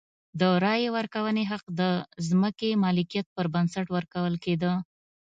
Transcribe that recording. د رایې ورکونې حق د ځمکې مالکیت پر بنسټ ورکول کېده.